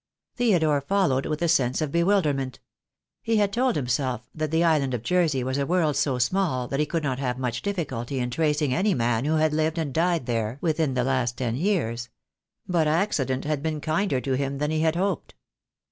Theodore followed with a sense of bewilderment. He had told himself that the Island of Jersey was a world so small that he could not have much difficulty in tracing any man who had lived and died there within the last ten years; but accident had been kinder to him than he had hoped.